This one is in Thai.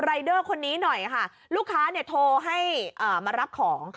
เดอร์คนนี้หน่อยค่ะลูกค้าเนี่ยโทรให้มารับของ